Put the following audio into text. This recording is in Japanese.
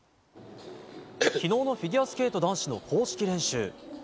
昨日のフィギュアスケート男子の公式練習。